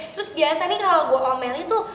terus biasa nih kalau gue omelin tuh